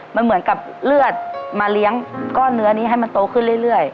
มันเหมือนกับเลือดมาเลี้ยงก้อนเนื้อนี้ให้มันโตขึ้นเรื่อย